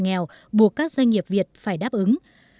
nó cũng bột các doanh nghiệp việt phải đáp ứng